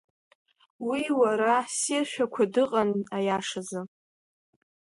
Уи, уара, ссиршәақәа дыҟан, аиашазы.